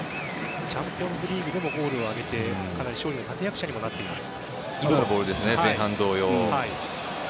チャンピオンズリーグでもゴールを挙げて勝利の立役者になっています。